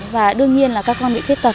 và đương nhiên là các con bị khuyết tật